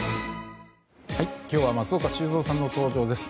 今日は松岡修造さんの登場です。